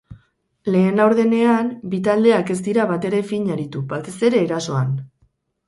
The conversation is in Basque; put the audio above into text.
Lehen laurdenean bi taldeak ez dira batere fin aritu, batez ere erasoan.